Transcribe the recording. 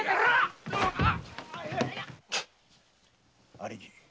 兄貴。